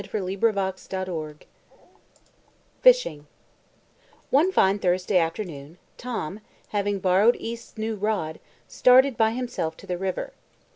SCOTT: "The Lady of the Lake" FISHING One fine Thursday afternoon, Tom, having borrowed East's new rod, started by himself to the river.